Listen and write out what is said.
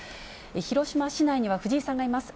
広島市内には藤井さんがいます。